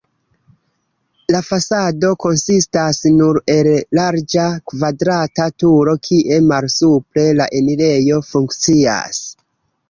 La fasado konsistas nur el larĝa kvadrata turo, kie malsupre la enirejo funkcias.